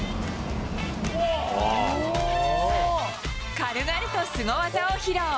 軽々とすご技を披露。